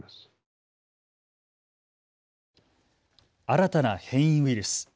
新たな変異ウイルス。